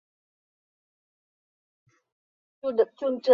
山北町为新舄县最北端面向日本海的一町。